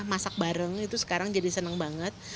masak bareng itu sekarang jadi senang banget